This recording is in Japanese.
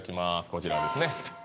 こちらですね